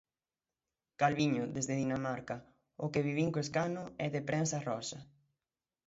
Calviño, desde Dinamarca: "O que vivín co escano é de prensa rosa".